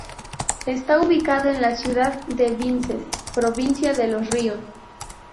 Está ubicado en la ciudad de Vinces, provincia de Los Ríos.